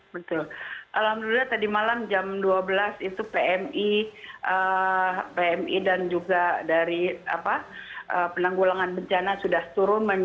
betul alhamdulillah tadi malam jam dua belas itu pmi dan juga dari penanggulangan bencana sudah turun